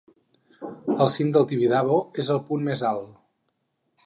El cim del Tibidabo es el punt mes alt.